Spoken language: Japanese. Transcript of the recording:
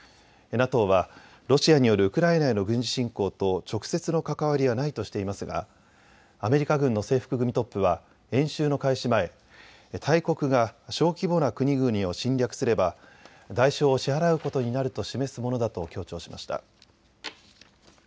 ＮＡＴＯはロシアによるウクライナへの軍事侵攻と直接の関わりはないとしていますがアメリカ軍の制服組トップは演習の開始前、大国が小規模な国々を侵略すれば代償を支払うことになると示すものだと強調しました。